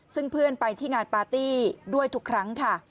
ซึ่งเพื่อนไปที่งานปาร์ตี้ด้วยทุกครั้งค่ะ